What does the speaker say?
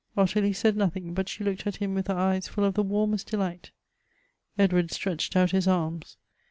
Ottilie said nothing, but she looked at him with her eyes full of the wannest delight. Edward stretched out his arms.